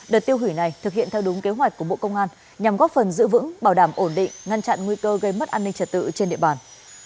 đợt tiêu hủy này thực hiện theo đúng kế hoạch của bộ công an nhằm góp phần giữ vững bảo đảm ổn định ngăn chặn nguy cơ gây mất an ninh trật tự trên địa bàn